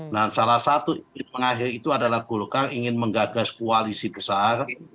dan salah satu pengakhir itu adalah golkar ingin menggagas koalisi besar